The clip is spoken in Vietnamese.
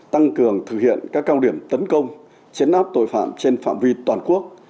tăng cường thực hiện các cao điểm tấn công chấn áp tội phạm trên phạm vi toàn quốc